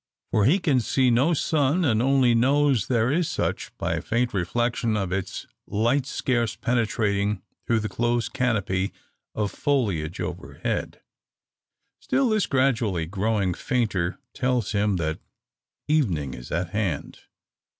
For he can see no sun, and only knows there is such by a faint reflection of its light scarce penetrating through the close canopy of foliage overhead. Still, this gradually growing fainter, tells him that evening is at hand.